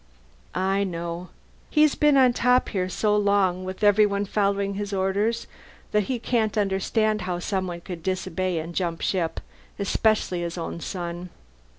"I know. He's been on top here so long, with everyone following his orders, that he can't understand how someone could disobey and jump ship especially his own son."